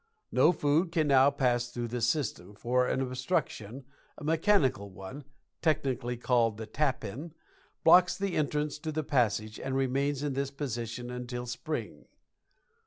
No food can now pass through the system, for an obstruction, a mechanical one technically called the "tappen" blocks the entrance to the passage and remains in this position until spring.